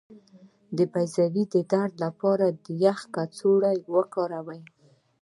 د بیضو د درد لپاره د یخ کڅوړه وکاروئ